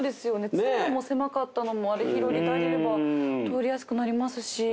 通路も狭かったのもあれ広げてあげれば通りやすくなりますし。